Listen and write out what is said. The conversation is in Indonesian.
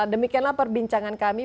demikianlah perbincangan kami